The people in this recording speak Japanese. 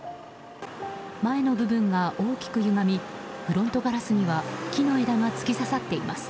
前の部分が大きくゆがみフロントガラスには木の枝が突き刺さっています。